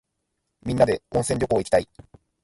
みんなで温泉旅行いきたい。